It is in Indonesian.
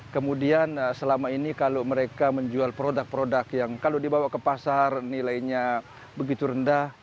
kemudian selama ini kalau mereka menjual produk produk yang kalau dibawa ke pasar nilainya begitu rendah